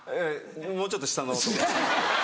もうちょっと下のところ。